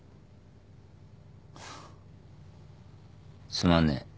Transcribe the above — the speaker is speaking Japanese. つまんねえ。